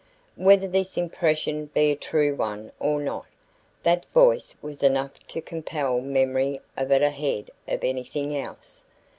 Whether this impression be a true one or not, that voice was enough to compel memory of it ahead of anything else.